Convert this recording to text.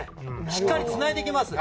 しっかりとつないできます。